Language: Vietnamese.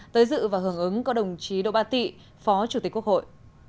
tới dự và hưởng ứng có đồng chí đỗ ba tị phó chủ tịch quốc hội